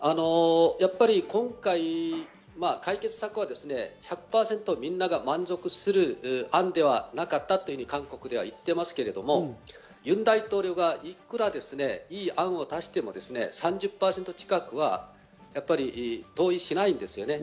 今回、解決策は１００％みんなが満足する案ではなかったというふうに韓国では言っていますが、ユン大統領がいくら良い案を出しても３０％近くは同意しないんです。